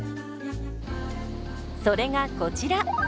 それがこちら。